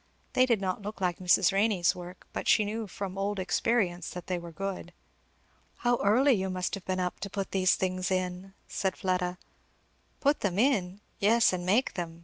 They did not look like Mrs. Renney's work, but she knew from old experience that they were good. "How early you must have been up, to put these things in," said Fleda. "Put them in! yes, and make them.